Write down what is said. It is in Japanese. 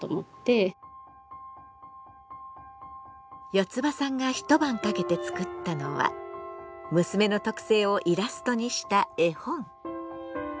よつばさんが一晩かけて作ったのは娘の特性をイラストにした絵本。